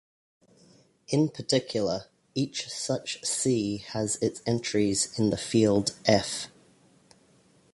In particular, each such "C" has its entries in the field "F".